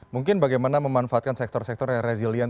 mungkin bagaimana memanfaatkan sektor sektor yang resilient